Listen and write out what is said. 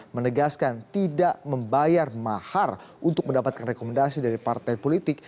menegaskan tidak membayar mahar untuk mendapatkan rekomendasi dari partai politik